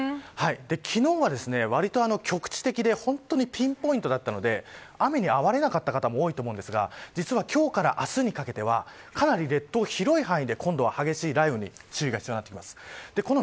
昨日は、わりと局地的で本当にピンポイントだったので雨にあわれなかった方も多いと思うんですが実は今日から明日にかけてはかなり列島広い範囲で激しい雨、雷雨に注意が必要になってきます。